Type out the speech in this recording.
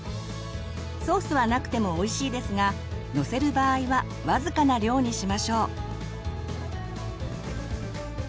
ソースはなくてもおいしいですがのせる場合は僅かな量にしましょう。